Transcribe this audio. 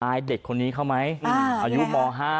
กลายเด็กชนข้อนี้ข้าวไหมอายุมอ๕